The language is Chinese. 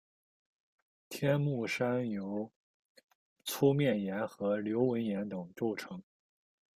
天目山由粗面岩和流纹岩等构成。